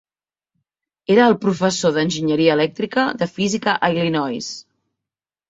Era el professor d'enginyeria elèctrica de física a Illinois.